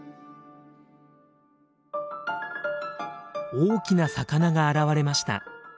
大きな魚が現れました。